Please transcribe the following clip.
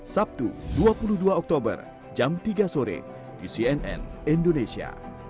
sabtu dua puluh dua oktober jam tiga sore di cnn indonesia